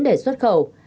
để xuất khẩu